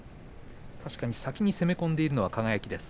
確かに先に攻め込んでいるのは輝です。